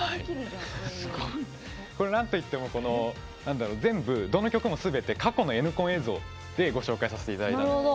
なんといっても全部どの曲もすべて過去のＮコン映像でご紹介させていただいたんです。